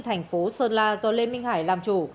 thành phố sơn la do lê minh hải làm chủ